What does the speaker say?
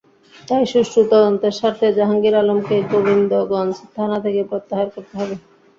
তাই সুষ্ঠু তদন্তের স্বার্থে জাহাঙ্গীর আলমকে গোবিন্দগঞ্জ থানা থেকে প্রত্যাহার করতে হবে।